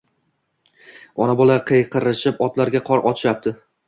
Ona-bola qiyqirishib otlarga qor otishyapti